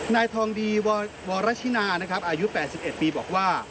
นายทองดีวรชินาอายุ๘๑ปีบอกว่า